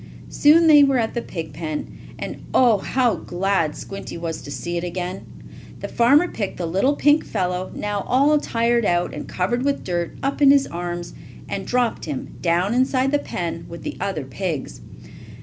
Soon they were at the pig pen, and Oh! how glad Squinty was to see it again. The farmer picked the little pink fellow, now all tired out and covered with dirt, up in his arms and dropped him down inside the pen with the other pigs.